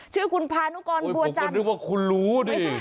ชื่อคุณพานุกรบัวจันทร์นึกว่าคุณรู้ดิ